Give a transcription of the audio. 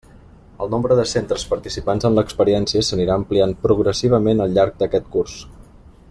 El nombre de centres participants en l'experiència s'anirà ampliant progressivament al llarg d'aquest curs.